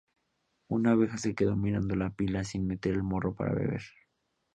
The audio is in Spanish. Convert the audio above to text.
Una oveja se quedó mirando la pila, sin meter el morro para beber.